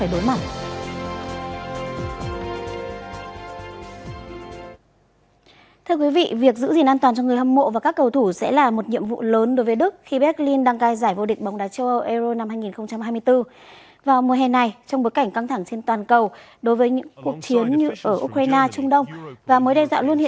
đối với những cuộc chiến như ở ukraine trung đông